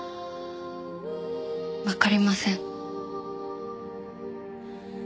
わかりません。